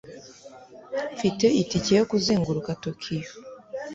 Mfite itike yo kuzenguruka Tokiyo.